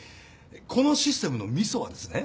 このシステムのミソはですね